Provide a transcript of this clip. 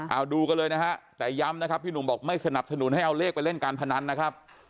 เอาดูกันเลยนะฮะแต่ย้ำนะครับพี่หนุ่มบอกไม่สนับสนุนให้เอาเลขไปเล่นการพนันนะครับ